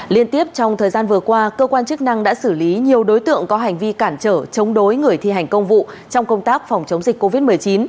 liên tiếp trong thời gian vừa qua cơ quan chức năng đã xử lý nhiều đối tượng có hành vi cản trở chống đối người thi hành công vụ trong công tác phòng chống dịch covid một mươi chín